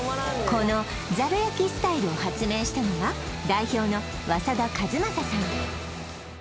このざる焼スタイルを発明したのが代表の早田和正さん